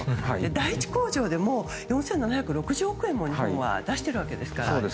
第１工場でも４７６０億円も日本は出しているわけですから。